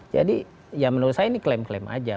jadi ya menurut saya ini klaim klaim aja